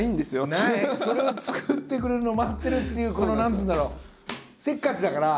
それを作ってくれるのを待ってるっていう何つうんだろうせっかちだから。